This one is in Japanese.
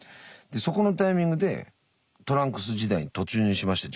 そこのタイミングでトランクス時代に突入しました